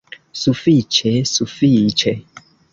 Sufiĉe, sufiĉe!